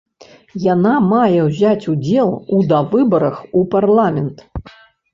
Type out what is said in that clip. Яна мае ўзяць удзел у давыбарах у парламент.